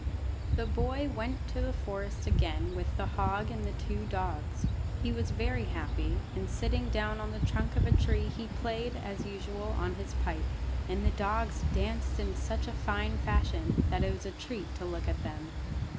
The boy went to the forest again with the hog and the two dogs. He was very happy, and, sitting down on the trunk of a tree he played, as usual, on his pipe; and the dogs danced in such fine fashion that it was a treat to look at them.